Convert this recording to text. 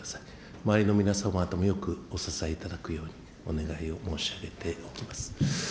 周りの皆様方も、よくお支えいただくようにお願いを申し上げておきます。